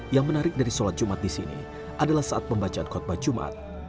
yang menarik dari sholat jumat di sini adalah saat pembacaan khutbah jumat